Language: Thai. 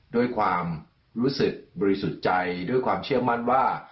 ด้วยความรู้สึกบริสุทธิ์ใจด้วยความเชื่อมั่นว่า